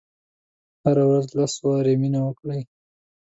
هره ورځ لس وارې مننه وکړئ.